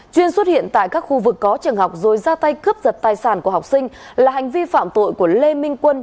chuyên xuất hiện tại các khu vực có trường học rồi ra tay cướp giật tài sản của học sinh là hành vi phạm tội của lê minh quân